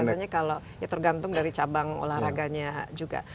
biasanya kalau ya tergantung dari cabang olahraganya juga